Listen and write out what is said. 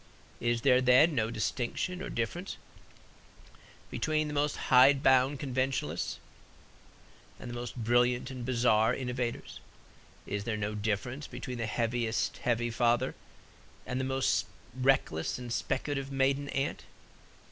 Is there, then, no distinction or difference between the most hide bound conventionalists and the most brilliant and bizarre innovators? Is there no difference between the heaviest heavy father and the most reckless and speculative maiden aunt?